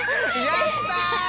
やった。